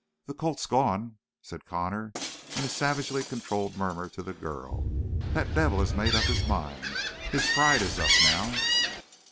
"The colt's gone," said Connor in a savagely controlled murmur to the girl. "That devil has made up his mind. His pride is up now!"